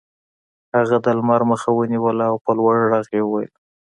هغه د لمر مخه ونیوله او په لوړ غږ یې وویل